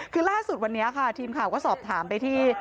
คือล่าสุดวันนี้ค่ะทีมข่าวก็สอบถามไปที่